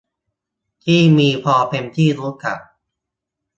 ที่มีพอเป็นที่รู้จัก